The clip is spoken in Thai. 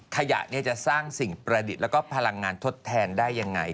ขยะจะสร้างสิ่งประดิษฐ์แล้วก็พลังงานทดแทนได้ยังไง